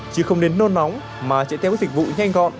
chứ không nên nôn nóng mà chạy theo các dịch vụ nhanh gọn